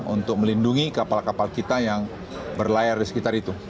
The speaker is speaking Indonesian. untuk melindungi kapal kapal kita yang berlayar di sekitar itu